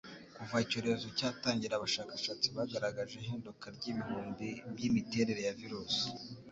Kuva icyorezo cyatangira, abashakashatsi bagaragaje ihinduka ry’ibihumbi by’imiterere ya virusi